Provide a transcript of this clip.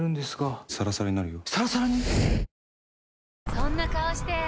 そんな顔して！